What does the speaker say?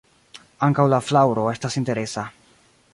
Ankaŭ la flaŭro estas interesa.